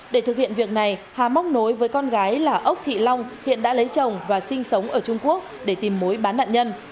để thực hiện việc này hà móc nối với con gái là ốc thị long hiện đã lấy chồng và sinh sống ở trung quốc để tìm mối bán nạn nhân